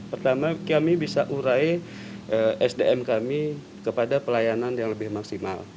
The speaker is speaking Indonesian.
pertama kami bisa urai sdm kami kepada pelayanan yang lebih maksimal